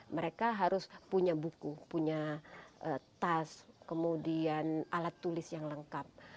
mereka harus punya buku punya tas kemudian alat tulis yang lengkap